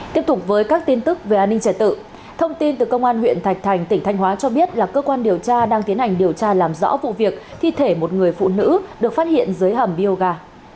tiếp tục với các tin tức về an ninh trẻ tự thông tin từ công an huyện thạch thành tỉnh thanh hóa cho biết là cơ quan điều tra đang tiến hành điều tra làm rõ vụ việc thi thể một người phụ nữ được phát hiện dưới hầm bioga